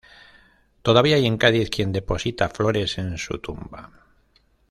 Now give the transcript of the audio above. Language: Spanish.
Todavía hay en Cádiz quien deposita flores en su tumba.